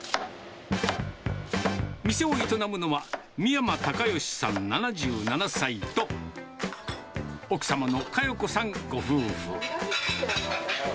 店を営むのは、深山隆与さん７７歳と、奥様の佳代子さんご夫婦。